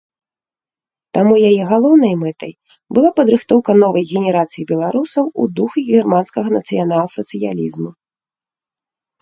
Таму яе галоўнай мэтай была падрыхтоўка новай генерацыі беларусаў у духу германскага нацыянал-сацыялізму.